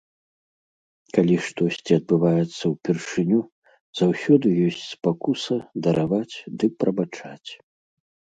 Калі штосьці адбываецца ўпершыню, заўсёды ёсць спакуса дараваць ды прабачаць.